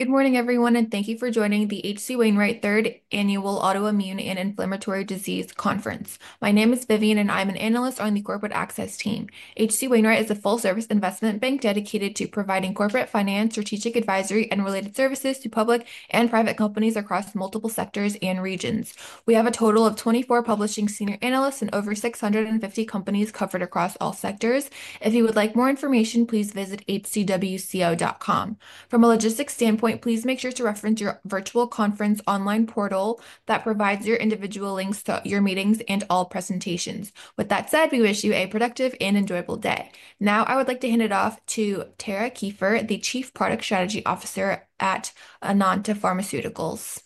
Good morning, everyone, and thank you for joining the HC Wainwright Third Annual Autoimmune and Inflammatory Disease Conference. My name is Vivian, and I'm an analyst on the Corporate Access team. HC Wainwright is a full-service investment bank dedicated to providing corporate finance, strategic advisory, and related services to public and private companies across multiple sectors and regions. We have a total of 24 publishing senior analysts and over 650 companies covered across all sectors. If you would like more information, please visit hcwco.com. From a logistics standpoint, please make sure to reference your virtual conference online portal that provides your individual links to your meetings and all presentations. With that said, we wish you a productive and enjoyable day. Now, I would like to hand it off to Tara Kieffer, the Chief Product Strategy Officer at Enanta Pharmaceuticals.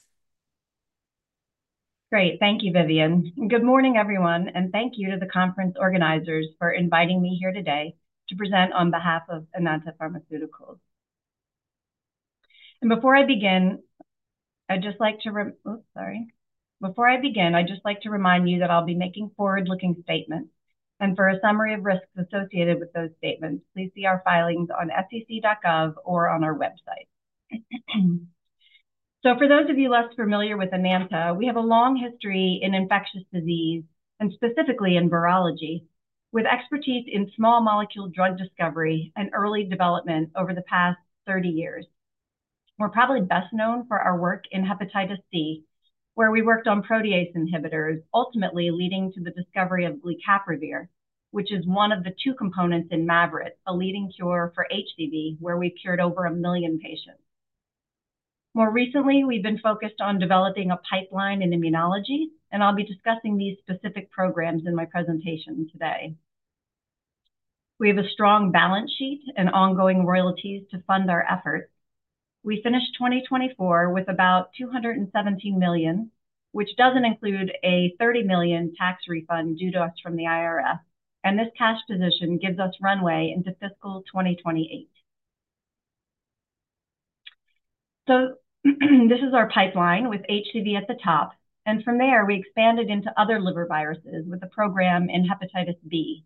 Great. Thank you, Vivian. Good morning, everyone, and thank you to the conference organizers for inviting me here today to present on behalf of Enanta Pharmaceuticals. Before I begin, I'd just like to—oops, sorry. Before I begin, I'd just like to remind you that I'll be making forward-looking statements. For a summary of risks associated with those statements, please see our filings on sec.gov or on our website. For those of you less familiar with Enanta, we have a long history in infectious disease, and specifically in virology, with expertise in small molecule drug discovery and early development over the past 30 years. We're probably best known for our work in hepatitis C, where we worked on protease inhibitors, ultimately leading to the discovery of glecaprevir, which is one of the two components in Mavyret, a leading cure for HCV, where we cured over a million patients. More recently, we've been focused on developing a pipeline in immunology, and I'll be discussing these specific programs in my presentation today. We have a strong balance sheet and ongoing royalties to fund our efforts. We finished 2024 with about $217 million, which does not include a $30 million tax refund due to us from the IRS, and this cash position gives us runway into fiscal 2028. This is our pipeline with HCV at the top, and from there, we expanded into other liver viruses with a program in hepatitis B.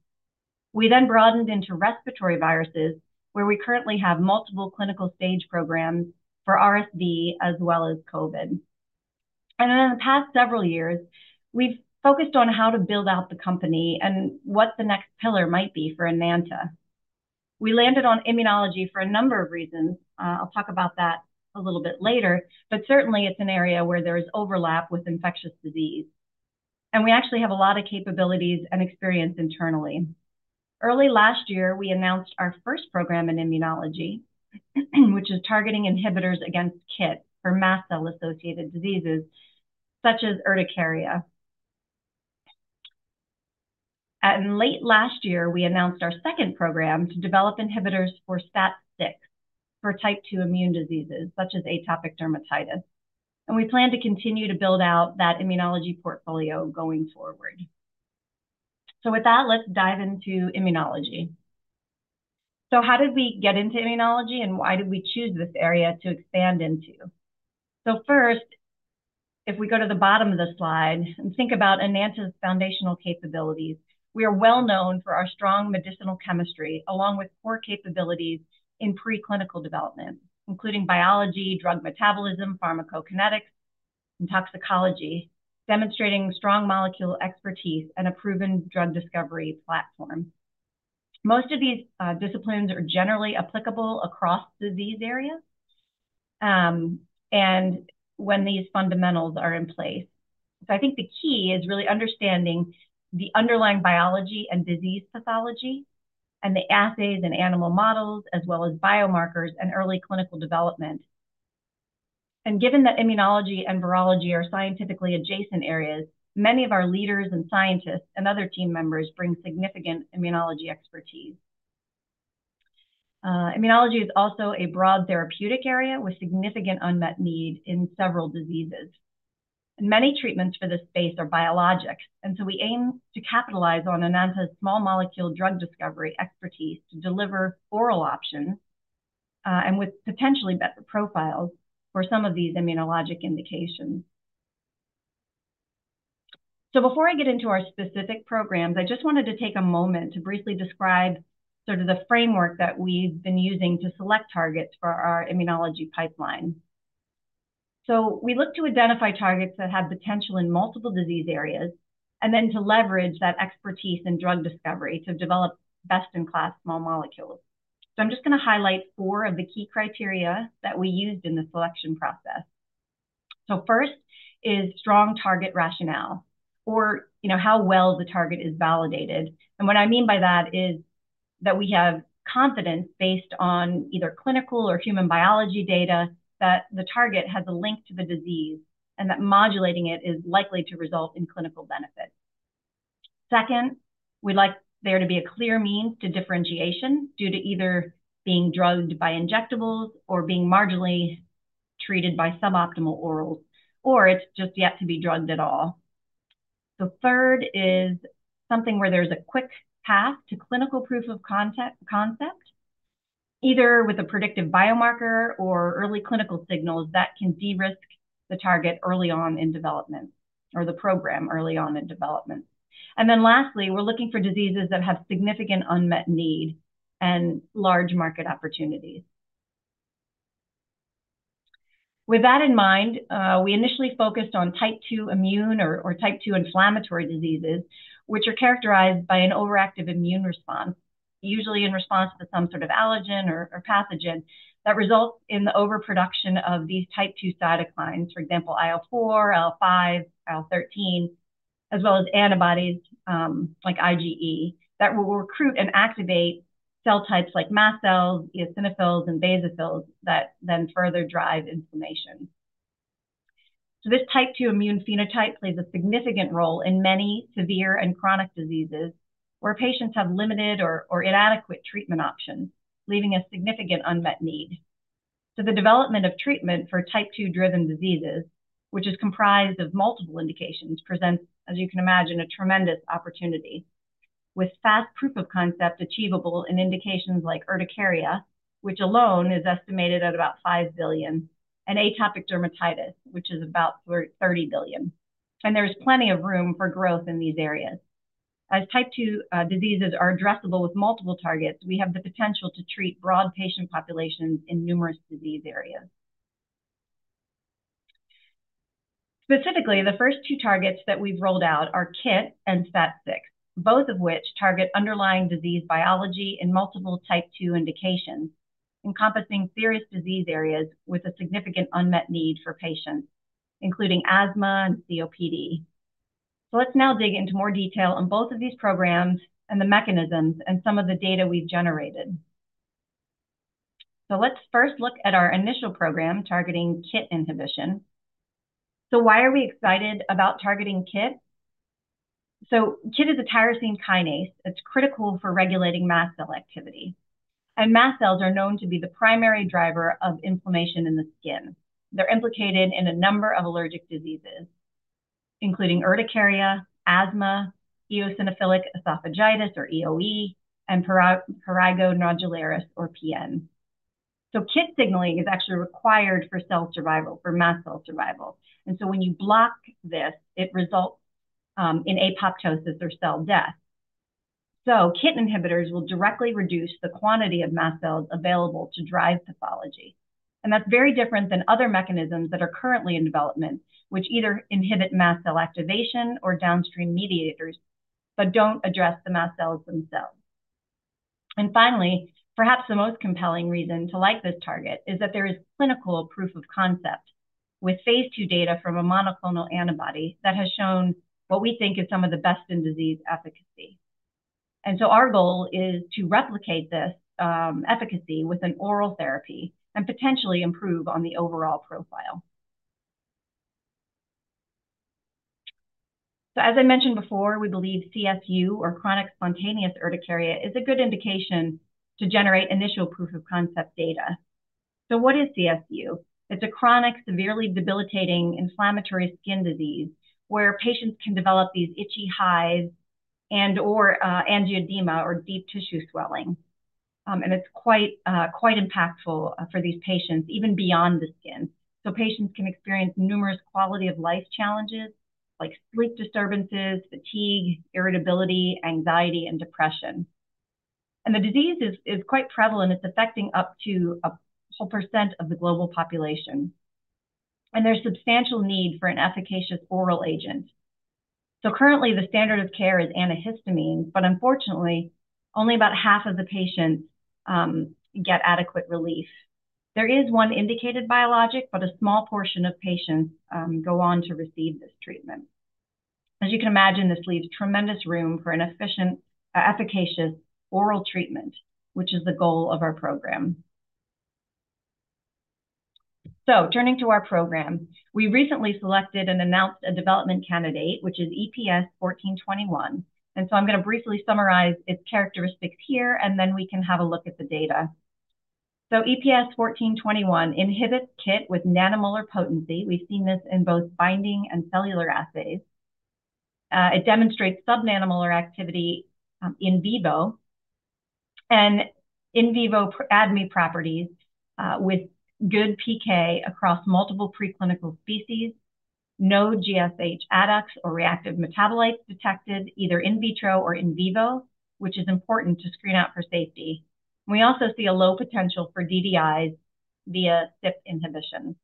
We then broadened into respiratory viruses, where we currently have multiple clinical stage programs for RSV as well as COVID. In the past several years, we've focused on how to build out the company and what the next pillar might be for Enanta. We landed on immunology for a number of reasons. I'll talk about that a little bit later, but certainly, it's an area where there is overlap with infectious disease, and we actually have a lot of capabilities and experience internally. Early last year, we announced our first program in immunology, which is targeting inhibitors against KIT for mast cell-associated diseases such as urticaria. Late last year, we announced our second program to develop inhibitors for STAT6 for type 2 immune diseases such as atopic dermatitis. We plan to continue to build out that immunology portfolio going forward. With that, let's dive into immunology. How did we get into immunology, and why did we choose this area to expand into? If we go to the bottom of the slide and think about Enanta's foundational capabilities, we are well known for our strong medicinal chemistry, along with core capabilities in preclinical development, including biology, drug metabolism, pharmacokinetics, and toxicology, demonstrating strong molecule expertise and a proven drug discovery platform. Most of these disciplines are generally applicable across disease areas when these fundamentals are in place. I think the key is really understanding the underlying biology and disease pathology and the assays and animal models, as well as biomarkers and early clinical development. Given that immunology and virology are scientifically adjacent areas, many of our leaders and scientists and other team members bring significant immunology expertise. Immunology is also a broad therapeutic area with significant unmet need in several diseases. Many treatments for this space are biologic, and we aim to capitalize on Enanta's small molecule drug discovery expertise to deliver oral options with potentially better profiles for some of these immunologic indications. Before I get into our specific programs, I just wanted to take a moment to briefly describe the framework that we've been using to select targets for our immunology pipeline. We look to identify targets that have potential in multiple disease areas and then leverage that expertise in drug discovery to develop best-in-class small molecules. I'm just going to highlight four of the key criteria that we used in the selection process. First is strong target rationale, or how well the target is validated. What I mean by that is that we have confidence based on either clinical or human biology data that the target has a link to the disease and that modulating it is likely to result in clinical benefit. Second, we'd like there to be a clear means to differentiation due to either being drugged by injectables or being marginally treated by suboptimal orals, or it's just yet to be drugged at all. The third is something where there's a quick path to clinical proof of concept, either with a predictive biomarker or early clinical signals that can de-risk the target early on in development or the program early on in development. Lastly, we're looking for diseases that have significant unmet need and large market opportunities. With that in mind, we initially focused on type 2 immune or type 2 inflammatory diseases, which are characterized by an overactive immune response, usually in response to some sort of allergen or pathogen that results in the overproduction of these type 2 cytokines, for example, IL-4, IL-5, IL-13, as well as antibodies like IgE that will recruit and activate cell types like mast cells, eosinophils, and basophils that then further drive inflammation. This type 2 immune phenotype plays a significant role in many severe and chronic diseases where patients have limited or inadequate treatment options, leaving a significant unmet need. The development of treatment for type 2-driven diseases, which is comprised of multiple indications, presents, as you can imagine, a tremendous opportunity with fast proof of concept achievable in indications like urticaria, which alone is estimated at about $5 billion, and atopic dermatitis, which is about $30 billion. There is plenty of room for growth in these areas. As type 2 diseases are addressable with multiple targets, we have the potential to treat broad patient populations in numerous disease areas. Specifically, the first two targets that we have rolled out are KIT and STAT6, both of which target underlying disease biology in multiple type 2 indications, encompassing serious disease areas with a significant unmet need for patients, including asthma and COPD. Let's now dig into more detail on both of these programs and the mechanisms and some of the data we have generated. Let's first look at our initial program targeting KIT inhibition. Why are we excited about targeting KIT? KIT is a tyrosine kinase. It's critical for regulating mast cell activity. Mast cells are known to be the primary driver of inflammation in the skin. They're implicated in a number of allergic diseases, including urticaria, asthma, eosinophilic esophagitis, or EoE, and prurigo nodularis, or PN. KIT signaling is actually required for mast cell survival. When you block this, it results in apoptosis or cell death. KIT inhibitors will directly reduce the quantity of mast cells available to drive pathology. That's very different than other mechanisms that are currently in development, which either inhibit mast cell activation or downstream mediators but don't address the mast cells themselves. Finally, perhaps the most compelling reason to like this target is that there is clinical proof of concept with phase two data from a monoclonal antibody that has shown what we think is some of the best in disease efficacy. Our goal is to replicate this efficacy with an oral therapy and potentially improve on the overall profile. As I mentioned before, we believe CSU, or chronic spontaneous urticaria, is a good indication to generate initial proof of concept data. What is CSU? It is a chronic, severely debilitating inflammatory skin disease where patients can develop these itchy hives and/or angioedema or deep tissue swelling. It is quite impactful for these patients, even beyond the skin. Patients can experience numerous quality of life challenges like sleep disturbances, fatigue, irritability, anxiety, and depression. The disease is quite prevalent. It's affecting up to a whole percent of the global population. There's substantial need for an efficacious oral agent. Currently, the standard of care is antihistamines, but unfortunately, only about half of the patients get adequate relief. There is one indicated biologic, but a small portion of patients go on to receive this treatment. As you can imagine, this leaves tremendous room for an efficient, efficacious oral treatment, which is the goal of our program. Turning to our program, we recently selected and announced a development candidate, which is EPS-1421. I'm going to briefly summarize its characteristics here, and then we can have a look at the data. EPS-1421 inhibits KIT with nanomolar potency. We've seen this in both binding and cellular assays. It demonstrates subnanomolar activity in vivo and in vivo ADME properties with good PK across multiple preclinical species, no GSH adducts or reactive metabolites detected either in vitro or in vivo, which is important to screen out for safety. We also see a low potential for DDIs via CYP inhibition.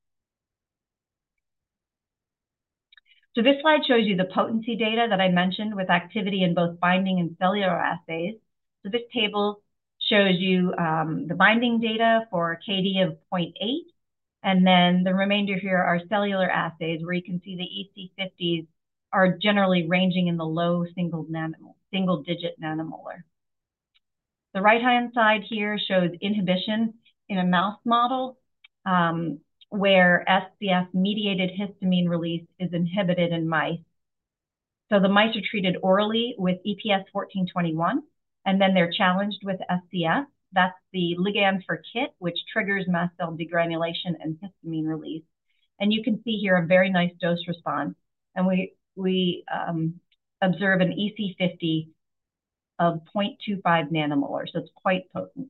This slide shows you the potency data that I mentioned with activity in both binding and cellular assays. This table shows you the binding data for KD of 0.8, and then the remainder here are cellular assays where you can see the EC50s are generally ranging in the low single-digit nanomolar. The right-hand side here shows inhibition in a mouse model where SCF-mediated histamine release is inhibited in mice. The mice are treated orally with EPS-1421, and then they're challenged with SCF. That's the ligand for KIT, which triggers mast cell degranulation and histamine release. You can see here a very nice dose response. We observe an EC50 of 0.25 nanomolars, so it is quite potent.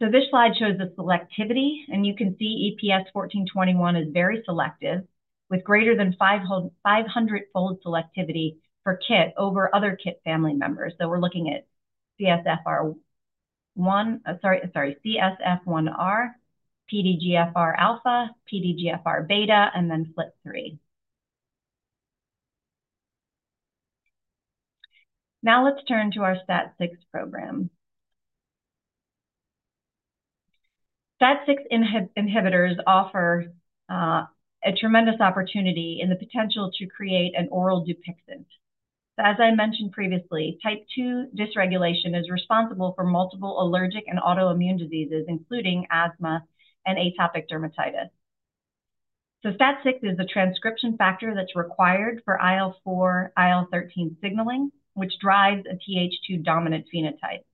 This slide shows the selectivity, and you can see EPS-1421 is very selective with greater than 500-fold selectivity for KIT over other KIT family members. We are looking at CSF1R, PDGFR alpha, PDGFR beta, and then FLT3. Now let's turn to our STAT6 program. STAT6 inhibitors offer a tremendous opportunity in the potential to create an oral Dupixent. As I mentioned previously, type 2 dysregulation is responsible for multiple allergic and autoimmune diseases, including asthma and atopic dermatitis. STAT6 is a transcription factor that is required for IL-4, IL-13 signaling, which drives a TH2-dominant phenotype.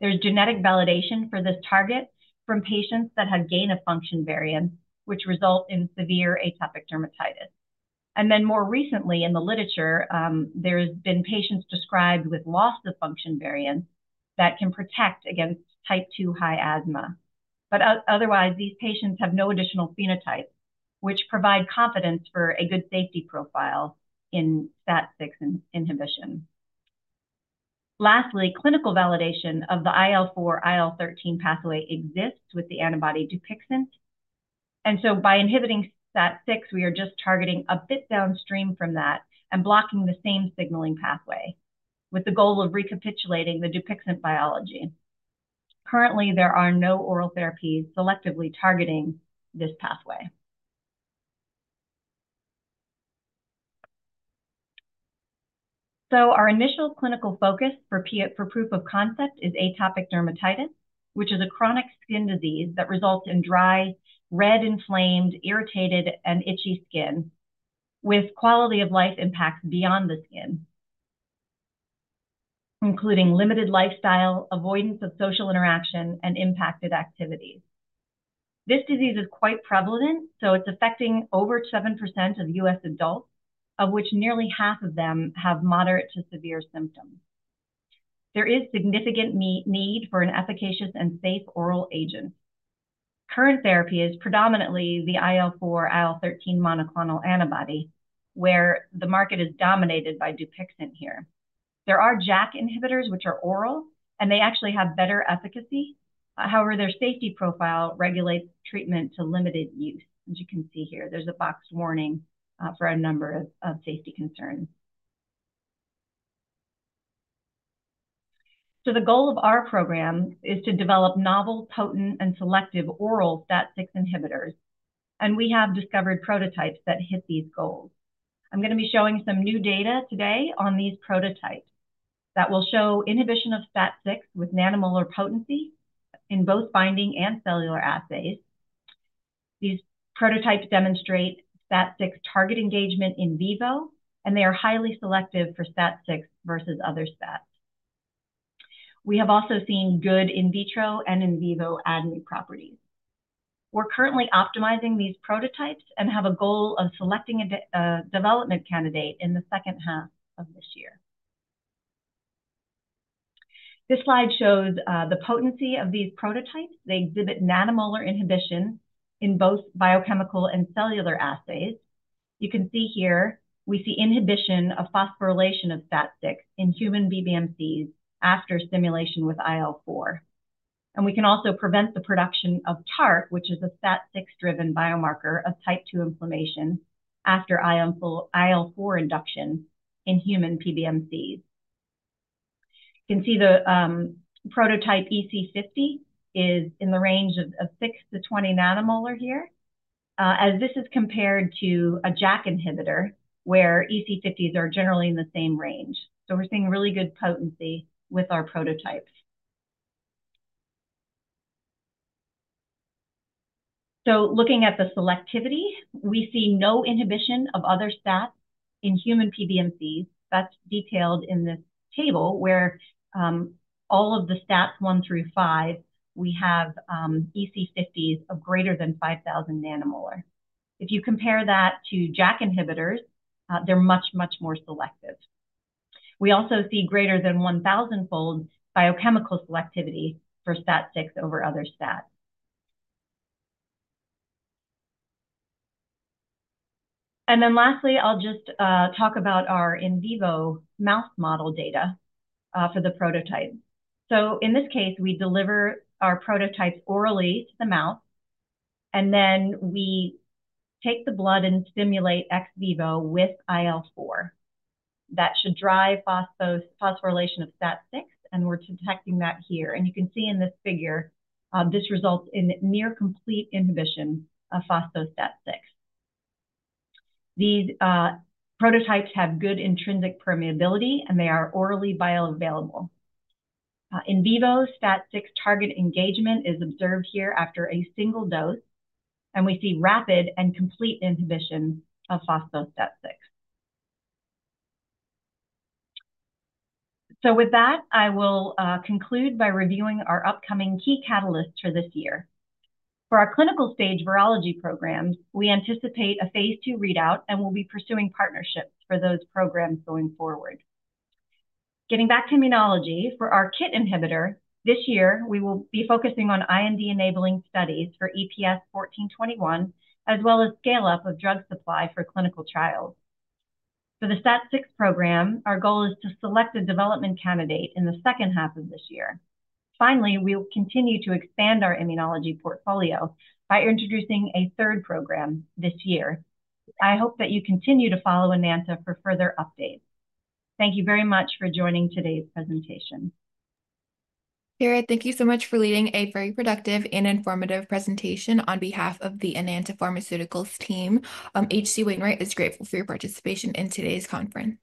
There is genetic validation for this target from patients that have gain-of-function variants, which result in severe atopic dermatitis. More recently in the literature, there have been patients described with loss of function variants that can protect against type 2 high asthma. Otherwise, these patients have no additional phenotypes, which provide confidence for a good safety profile in STAT6 inhibition. Lastly, clinical validation of the IL-4, IL-13 pathway exists with the antibody Dupixent. By inhibiting STAT6, we are just targeting a bit downstream from that and blocking the same signaling pathway with the goal of recapitulating the Dupixent biology. Currently, there are no oral therapies selectively targeting this pathway. Our initial clinical focus for proof of concept is atopic dermatitis, which is a chronic skin disease that results in dry, red, inflamed, irritated, and itchy skin with quality of life impacts beyond the skin, including limited lifestyle, avoidance of social interaction, and impacted activities. This disease is quite prevalent, so it's affecting over 7% of US adults, of which nearly half of them have moderate to severe symptoms. There is significant need for an efficacious and safe oral agent. Current therapy is predominantly the IL-4, IL-13 monoclonal antibody, where the market is dominated by Dupixent here. There are JAK inhibitors, which are oral, and they actually have better efficacy. However, their safety profile regulates treatment to limited use, as you can see here. There's a box warning for a number of safety concerns. The goal of our program is to develop novel, potent, and selective oral STAT6 inhibitors. We have discovered prototypes that hit these goals. I'm going to be showing some new data today on these prototypes that will show inhibition of STAT6 with nanomolar potency in both binding and cellular assays. These prototypes demonstrate STAT6 target engagement in vivo, and they are highly selective for STAT6 versus other STATs. We have also seen good in vitro and in vivo ADME properties. We're currently optimizing these prototypes and have a goal of selecting a development candidate in the second half of this year. This slide shows the potency of these prototypes. They exhibit nanomolar inhibition in both biochemical and cellular assays. You can see here, we see inhibition of phosphorylation of STAT6 in human PBMCs after stimulation with IL-4. We can also prevent the production of TARC, which is a STAT6-driven biomarker of type 2 inflammation after IL-4 induction in human PBMCs. You can see the prototype EC50 is in the range of 6-20 nanomolar here, as this is compared to a JAK inhibitor where EC50s are generally in the same range. We're seeing really good potency with our prototypes. Looking at the selectivity, we see no inhibition of other STATs in human PBMCs. That's detailed in this table where all of the STATs 1 through 5, we have EC50s of greater than 5,000 nanomolar. If you compare that to JAK inhibitors, they're much, much more selective. We also see greater than 1,000-fold biochemical selectivity for STAT6 over other STATs. Lastly, I'll just talk about our in vivo mouse model data for the prototypes. In this case, we deliver our prototypes orally to the mouse, and then we take the blood and stimulate ex vivo with IL-4. That should drive phosphorylation of STAT6, and we're detecting that here. You can see in this figure, this results in near complete inhibition of phosphoSTAT6. These prototypes have good intrinsic permeability, and they are orally bioavailable. In vivo, STAT6 target engagement is observed here after a single dose, and we see rapid and complete inhibition of phosphoSTAT6. With that, I will conclude by reviewing our upcoming key catalysts for this year. For our clinical stage virology programs, we anticipate a phase two readout, and we'll be pursuing partnerships for those programs going forward. Getting back to immunology, for our KIT inhibitor, this year, we will be focusing on IND-enabling studies for EPS-1421, as well as scale-up of drug supply for clinical trials. For the STAT6 program, our goal is to select a development candidate in the second half of this year. Finally, we will continue to expand our immunology portfolio by introducing a third program this year. I hope that you continue to follow Enanta for further updates. Thank you very much for joining today's presentation. Alright, thank you so much for leading a very productive and informative presentation on behalf of the Enanta Pharmaceuticals team. HC Wainwright is grateful for your participation in today's conference.